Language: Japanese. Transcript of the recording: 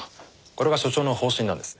これが所長の方針なんです。